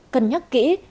cân nhắc kỹ